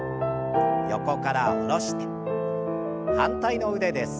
横から下ろして反対の腕です。